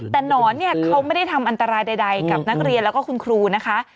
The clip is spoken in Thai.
แต่หนอนเนี่ยเขาไม่ได้ทำอันตรายใดกับนักเรียนแล้วก็คุณครูนะคะ